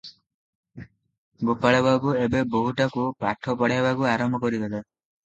ଗୋପାଳବାବୁ ଏବେ ବୋହୂଟାକୁ ପାଠ ପଢ଼ାଇବାକୁ ଆରମ୍ଭ କରି ଦେଲେ ।